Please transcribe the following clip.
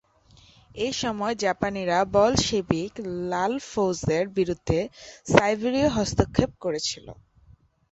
এসময় জাপানিরা বলশেভিক লাল ফৌজের বিরুদ্ধে সাইবেরীয় হস্তক্ষেপ করছিল।